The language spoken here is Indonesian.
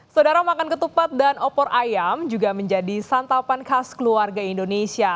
saudara makan ketupat dan opor ayam juga menjadi santapan khas keluarga indonesia